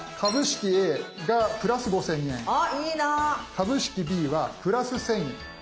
株式Ｂは＋１，０００円。